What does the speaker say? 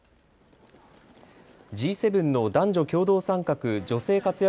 Ｇ７の男女共同参画・女性活躍